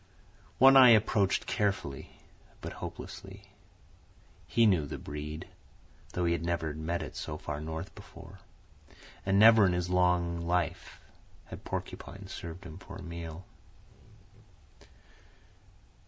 One Eye approached carefully but hopelessly. He knew the breed, though he had never met it so far north before; and never in his long life had porcupine served him for a meal.